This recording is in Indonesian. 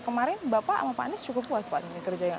kemarin bapak sama pak anies cukup puas pak